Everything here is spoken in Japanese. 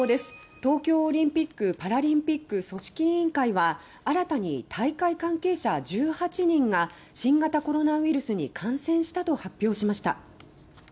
東京オリンピック・パラリンピック組織委員会は新たに大会関係者１８人が新型コロナウイルスに感染したと発表しました。